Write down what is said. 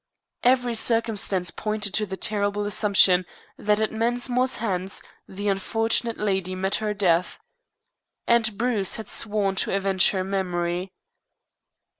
Every circumstance pointed to the terrible assumption that at Mensmore's hands the unfortunate lady met her death. And Bruce had sworn to avenge her memory!